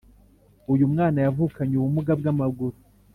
uyumwana yavukanye ubumuga bwamaguru